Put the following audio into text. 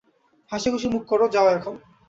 হাসিখুশি মুখ করো, যাও এখন!